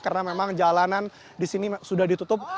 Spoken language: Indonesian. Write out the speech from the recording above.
karena memang jalanan di sini sudah ditutup